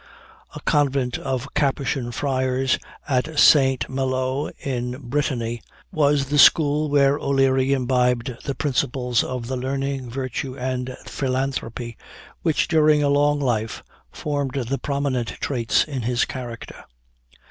A convent of Capuchin Friars at St. Malo in Brittany, was the school where O'Leary imbibed the principles of the learning, virtue, and philanthropy, which during a long life formed the prominent traits in his character.